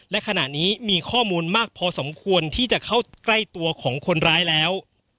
และขณะนี้มีข้อมูลมากพอสมควรที่จะเข้าใกล้ตัวของคนร้ายแล้ว